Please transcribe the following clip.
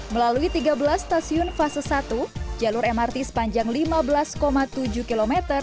melalui tiga belas stasiun fase satu jalur mrt sepanjang lima belas tujuh km